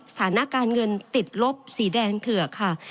สถานการณ์เงินติดลบสีแดงเถือกค่ะ